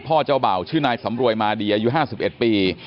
เจ้าเบ่าชื่อนายสำรวยมาดีอายุ๕๑ปี